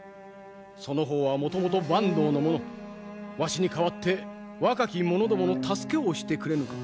その方はもともと坂東の者わしに代わって若き者どもの助けをしてくれぬか。